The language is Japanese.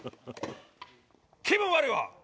気分悪いわ！